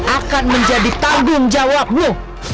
akan menjadi tanggung jawabmu